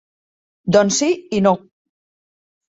Doncs sí i no.